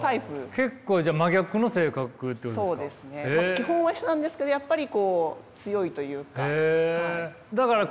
基本は一緒なんですけどやっぱりこう強いというか。